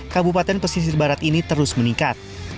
kabupaten pesisir barat ini terus meningkat